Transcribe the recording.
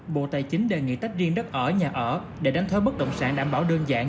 bộ tài chính đề nghị tách riêng đất ở nhà ở để đánh thuế bất động sản đảm bảo đơn giản